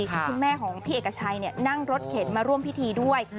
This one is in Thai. คุณแม่ของพี่เอกชัยนั่งรถเข็นมาร่วมพิธีด้วย